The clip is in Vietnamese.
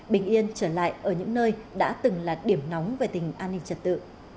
bình yên trở lại ở những nơi đã từng là điểm nóng về tình an ninh trật tự